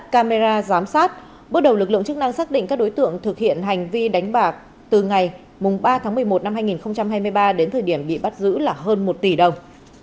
cơ quan cảnh sát điều tra công an tỉnh thanh hóa xác định năm hai nghìn một mươi ba thời điểm bị bắt giữ là hơn một tỷ đồng